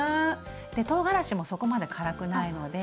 でとうがらしもそこまで辛くないので。